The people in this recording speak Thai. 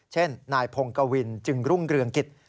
เช่นนายพงกวินจึงรุ่งเรืองกิจ